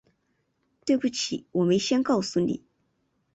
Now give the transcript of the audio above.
对不起，我没先告诉你